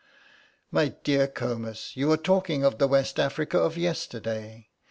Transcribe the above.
"My dear Comus, you are talking of the West Africa of yesterday.